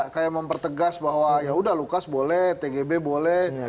kayak mempertegas bahwa ya udah lukas boleh tgb boleh